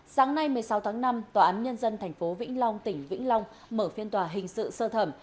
sáng nay một mươi sáu tháng năm tòa án nhân dân tp vĩnh long tỉnh vĩnh long mở phiên tòa hình sự sơ thẩm